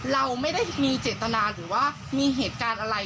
เราไม่ได้มีเจตนาหรือว่ามีเหตุการณ์อะไร